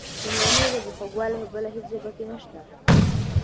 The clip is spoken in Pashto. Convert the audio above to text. د مورنۍ ژبې خوږوالی په بله هېڅ ژبه کې نشته.